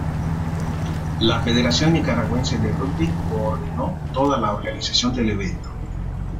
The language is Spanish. La Federación Nicaragüense de Rugby coordinó toda la organización del evento.